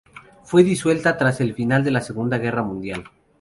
Fue disuelta tras el final de la Segunda guerra mundial.